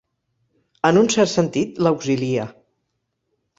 En un cert sentit, l'auxilia.